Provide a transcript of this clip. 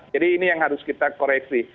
jadi ini yang harus kita koreksi